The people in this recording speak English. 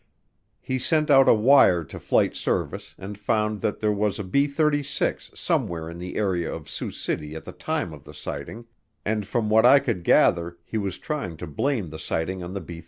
He sent out a wire to Flight Service and found that there was a B 36 somewhere in the area of Sioux City at the time of the sighting, and from what I could gather he was trying to blame the sighting on the B 36.